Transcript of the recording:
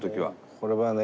これはね